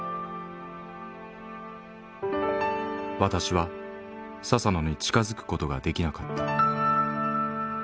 私は佐々野に近づくことができなかった。